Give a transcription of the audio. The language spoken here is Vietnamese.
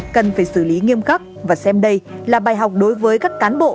cần phải xử lý nghiêm khắc và xem đây là bài học đối với các cán bộ